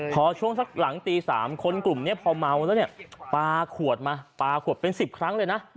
พอช่วงสักหลังตี๓คนกลุ่มนี้พอเมาแล้วเนี่ยปลาขวดมาปลาขวดเป็น๑๐ครั้งเลยนะ